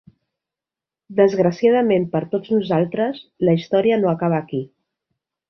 ...desgraciadament per tots nosaltres, la història no acaba aquí.